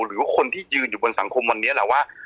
หรือว่าคนที่ยืนอยู่บนสังคมวันนี้แหละว่า